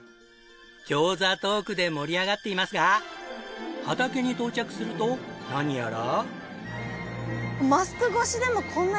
餃子トークで盛り上がっていますが畑に到着すると何やら。